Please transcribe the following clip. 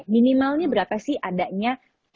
minimalnya berapa sih adanya